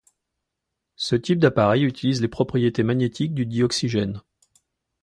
Ce type d'appareil utilise les propriétés magnétiques du dioxygène.